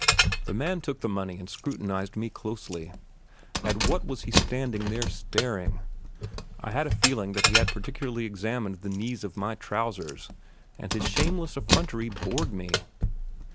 The man took the money and scrutinized me closely. At what was he standing there staring? I had a feeling that he particularly examined the knees of my trousers, and his shameless effrontery bored me.